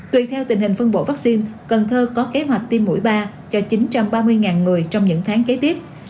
tùy theo tình hình phân bổ vaccine cần thơ có kế hoạch tiêm mũi ba cho chín trăm ba mươi người trong những tháng kế tiếp